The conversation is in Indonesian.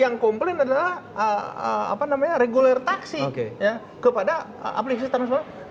yang komplain adalah regular taksi kepada aplikasi transportasi online